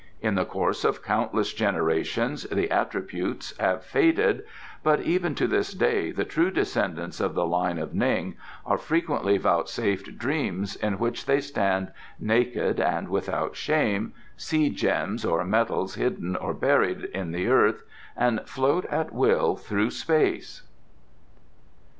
In the course of countless generations the attributes have faded, but even to this day the true descendants of the line of Ning are frequently vouchsafed dreams in which they stand naked and without shame, see gems or metals hidden or buried in the earth and float at will through space.